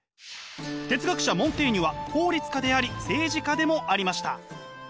哲学者モンテーニュは法律家であり政治家でもありました。